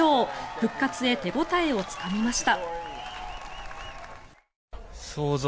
復活へ手応えをつかみました。